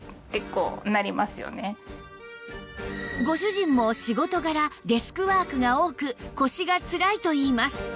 ご主人も仕事柄デスクワークが多く腰がつらいといいます